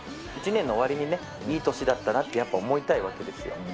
１年の終わりにね、いい年だったなってやっぱり思いたいわけですよ。